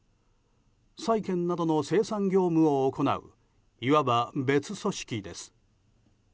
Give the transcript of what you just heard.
債券などの清算業務を行ういわば別組織です。